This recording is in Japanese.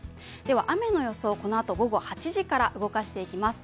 雨の予想、このあと午後８時から動かしていきます。